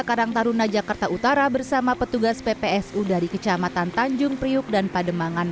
karang taruna jakarta utara bersama petugas ppsu dari kecamatan tanjung priuk dan pademangan